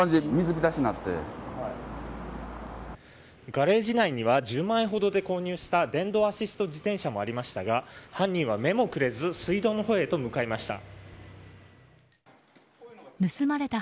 ガレージ内には１０万円ほどで購入した電動アシスト自転車もありましたが犯人は目もくれず水道のほうへと向かいました。